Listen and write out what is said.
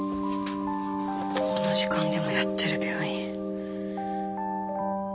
この時間でもやってる病院。